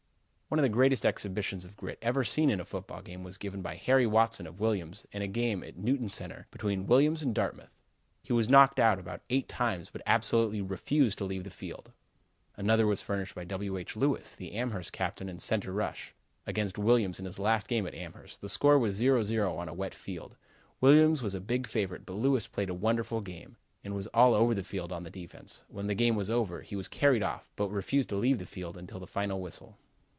One of the greatest exhibitions of grit ever seen in a football game was given by Harry Watson of Williams in a game at Newton Center between Williams and Dartmouth. He was knocked out about eight times but absolutely refused to leave the field. Another was furnished by W. H. Lewis, the Amherst captain and center rush, against Williams in his last game at Amherst the score was 0 0 on a wet field. Williams was a big favorite but Lewis played a wonderful game, and was all over the field on the defense. When the game was over he was carried off, but refused to leave the field until the final whistle.